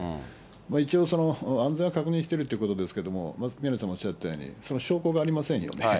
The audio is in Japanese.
一応、安全は確認してるっていうことですけれども、宮根さんもおっしゃったように、証拠がありませんよね。